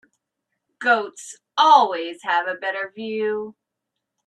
Goats always have a better view.